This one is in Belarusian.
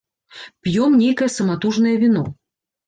П'ём нейкае саматужнае віно.